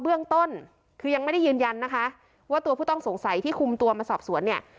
เบื้องต้นคือยังไม่ได้ยืนยันนะคะว่าตัวผู้ต้องสงสัยที่คุมตัวมาสอบสวนเนี่ย